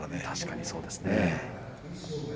確かにそうですね。